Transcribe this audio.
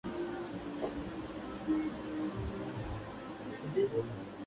El concurso es patrocinado por la Fundación Educativa Theta Tau.